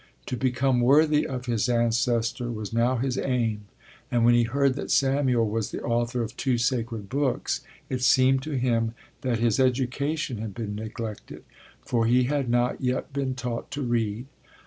To become worthy of his ancestor was now his aim, and when he heard that Samuel was the author of two sacred books it seemed to him that his education had been neglected: for he had not yet been taught to read.